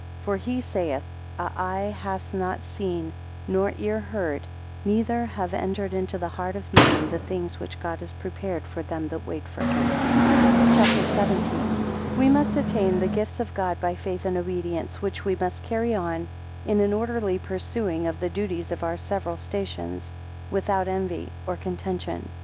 8 For he saith, a Eye hath not seen, nor ear heard, neither have entered into the heart of man, the things which God has prepared for them that wait for him, CHAPTER XVII. 1 We must attain the gifts of God by faith and obedience, which we must carry on in an orderly pursuing of the duties of our several stations, without envy or contention.